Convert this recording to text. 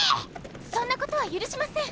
そんなことは許しません！